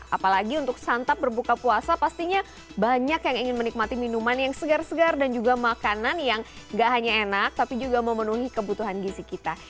apalagi untuk santap berbuka puasa pastinya banyak yang ingin menikmati minuman yang segar segar dan juga makanan yang gak hanya enak tapi juga memenuhi kebutuhan gizi kita